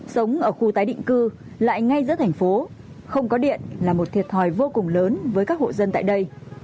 sống ở khu tái định cư lại ngay giữa thành phố không có điện là một thiệt thòi vô cùng lớn với các hộ dân tại đây